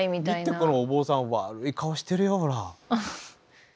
このお坊さん悪い顔してるよほら。